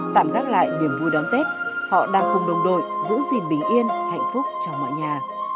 tạm gác lại niềm vui đón tết họ đang cùng đồng đội giữ gìn bình yên hạnh phúc cho mọi nhà